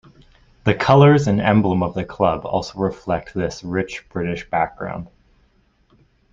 The colours and emblem of the club also reflect this rich British background.